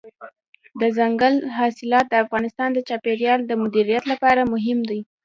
دځنګل حاصلات د افغانستان د چاپیریال د مدیریت لپاره مهم دي.